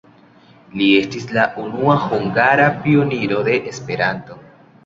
Li estis la unua hungara pioniro de Esperanto.